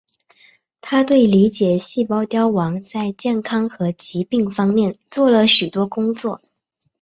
他对理解细胞凋亡在健康和疾病方面做了许多工作。